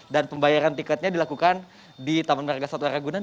dan pembayaran tiketnya dilakukan di taman warga suat raya ragunan